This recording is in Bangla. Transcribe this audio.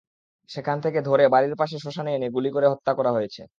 সেখান থেকে ধরে বাড়ির পাশে শ্মশানে এনে গুলি করে হত্যা করা হয়েছে।